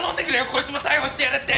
こいつも逮捕してやれって！